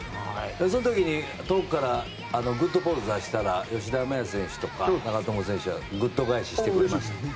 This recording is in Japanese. その時に遠くからグッドポーズを出したら吉田麻也選手とか長友選手がグッド返ししてくれました。